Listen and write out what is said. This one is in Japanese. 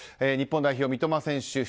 日本代表、三笘選手